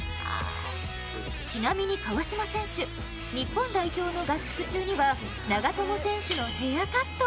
ちなみに川島選手日本代表の合宿中には長友選手のヘアカット。